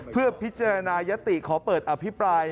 เพื่อพิจารณายติขอเปิดอภิปราย